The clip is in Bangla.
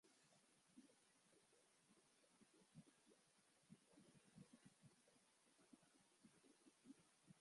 বর্তমানে এটি টাঙ্গাইল জেলার অন্যতম প্রধান উচ্চ মাধ্যমিক শিক্ষা প্রতিষ্ঠান।